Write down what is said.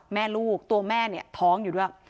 แม่ลูกตัวแม่เนี่ยท้องอยู่ด้วย